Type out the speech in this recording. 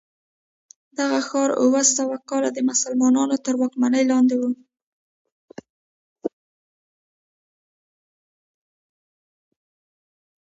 دغه ښار اوه سوه کاله د مسلمانانو تر واکمنۍ لاندې و.